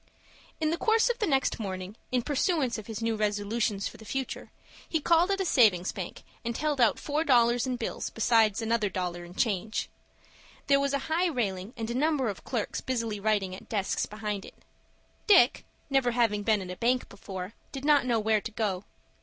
In the course of the next morning, in pursuance of his new resolutions for the future, he called at a savings bank, and held out four dollars in bills besides another dollar in change. There was a high railing, and a number of clerks busily writing at desks behind it. Dick, never having been in a bank before, did not know where to go.